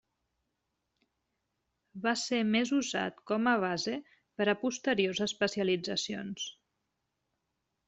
Va ser més usat com a base per a posteriors especialitzacions.